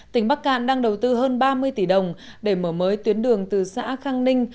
tỉnh bắc cạn đang đầu tư hơn ba mươi tỷ đồng để mở mới tuyến đường từ xã khang ninh